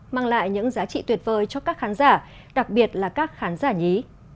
mang lại những giá trị tuyệt vời cho các khán giả đặc biệt là các khán giả nhí